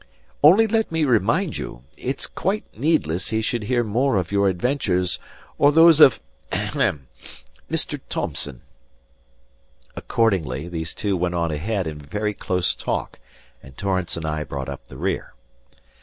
Only let me remind you, it's quite needless he should hear more of your adventures or those of ahem Mr. Thomson." Accordingly these two went on ahead in very close talk, and Torrance and I brought up the rear.